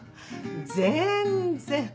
全然！